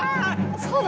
そうだ！